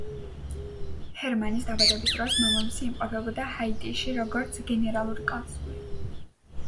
ჰერმანის დაბადების დროს მამამისი იმყოფებოდა ჰაიტიში, როგორც გენერალური კონსული.